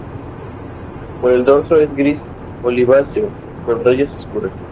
Por el dorso es gris oliváceo, con rayas oscuras.